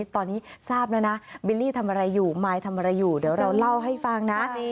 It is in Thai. ตอนนี้ทราบแล้วนะบิลลี่ทำอะไรอยู่มายทำอะไรอยู่เดี๋ยวเราเล่าให้ฟังนะ